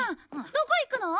どこ行くの？